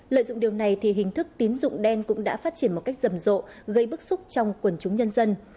lợi dụng điều này thì hình thức tín dụng đen cũng đã phát triển một cách rầm rộ gây bức xúc trong quần chúng nhân dân